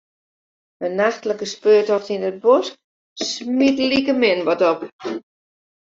In nachtlike speurtocht yn 'e bosk smiet likemin wat op.